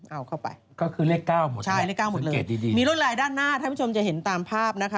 เอาเข้าไปก็คือเลข๙หมดเลยใช่เลข๙หมดเลยดีมีรวดลายด้านหน้าท่านผู้ชมจะเห็นตามภาพนะคะ